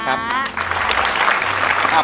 สุดท้าย